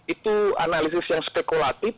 itu analisis yang spekulatif